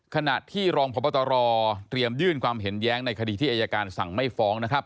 ขณะที่รองพบตรเตรียมยื่นความเห็นแย้งในคดีที่อายการสั่งไม่ฟ้องนะครับ